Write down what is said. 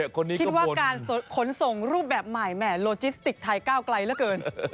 คิดว่าการขนส่งรูปแบบใหม่แหม่โลจิสติกไทยก้าวไกลเหลือเกิน